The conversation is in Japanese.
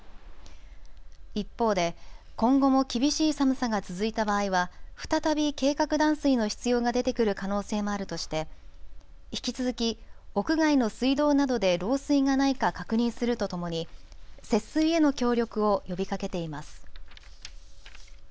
一方で今後も厳しい寒さが続いた場合は再び計画断水の必要が出てくる可能性もあるとして引き続き屋外の水道などで漏水がないか確認するとともに節水への協力を呼びかけています。